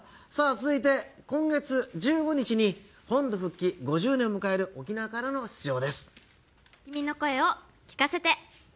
続いて、今月１５日に本土復帰５０年を迎える沖縄からの出場。